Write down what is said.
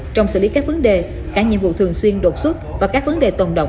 trong xử lý các vấn đề cả nhiệm vụ thường xuyên đột xuất và các vấn đề tồn động